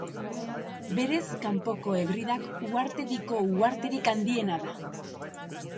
Berez Kanpoko Hebridak uhartediko uharterik handiena da.